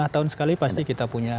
lima tahun sekali pasti kita punya